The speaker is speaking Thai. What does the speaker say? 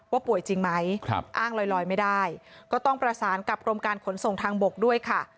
ป่วยจริงไหมอ้างลอยไม่ได้ก็ต้องประสานกับกรมการขนส่งทางบกด้วยค่ะ